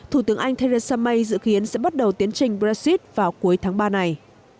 thủ tướng anh theresa may dự kiến sẽ bắt đầu tiến trình brexit vào cuối tháng ba này